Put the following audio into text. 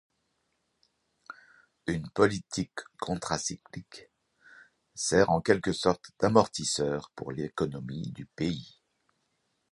Une politique contracyclique sert en quelque sorte d'amortisseur pour l'économie du pays.